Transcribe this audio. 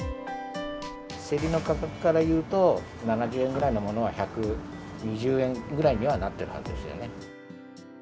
仕入れの価格から言うと、７０円ぐらいのものが１２０円ぐらいにはなっているはずですよね。